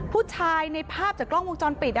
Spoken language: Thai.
ผู้ชายในภาพจากกล้องวงจรปิด